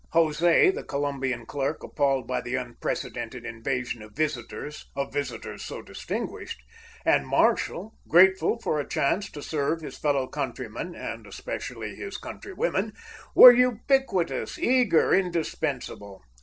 José, the Colombian clerk, appalled by the unprecedented invasion of visitors, of visitors so distinguished, and Marshall, grateful for a chance to serve his fellow countrymen, and especially his countrywomen, were ubiquitous, eager, indispensable.